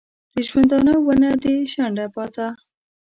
د ژوندانه ونه دي شنډه پاته